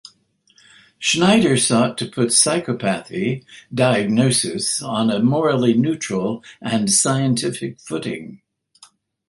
Schneider sought to put psychopathy diagnoses on a morally neutral and scientific footing.